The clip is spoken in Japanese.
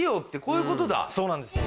そうなんです。